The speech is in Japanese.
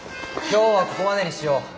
今日はここまでにしよう。